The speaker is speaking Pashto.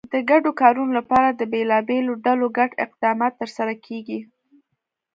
د ګډو کارونو لپاره د بېلابېلو ډلو ګډ اقدامات ترسره کېږي.